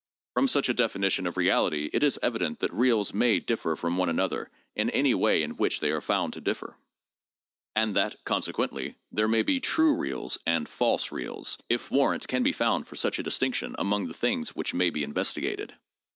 Prom such a definition of reality it is evident that reals may differ from one another in any way in which they are found to differ; and that, consequently, there may be 'true' reals and 'false' reals if warrant can be found for such a distinction among the things which may be investigated.